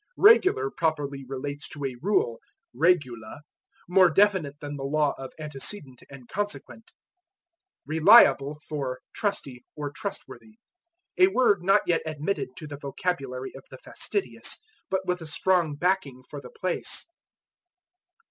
Regular properly relates to a rule (regula) more definite than the law of antecedent and consequent. Reliable for Trusty, or Trustworthy. A word not yet admitted to the vocabulary of the fastidious, but with a strong backing for the place.